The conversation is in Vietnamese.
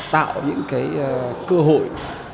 tạo những cái cơ hội